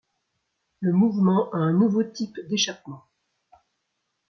Le mouvement a un nouveau type d’échappement.